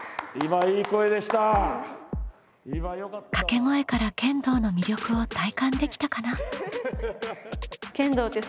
掛け声から剣道の魅力を体感できたかな？